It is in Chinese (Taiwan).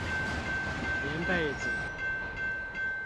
棉被組